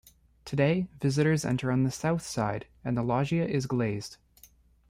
Today, visitors enter on the south side and the loggia is glazed.